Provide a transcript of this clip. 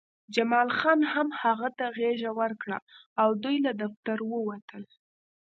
جمال خان هم هغه ته غېږه ورکړه او دوی له دفتر ووتل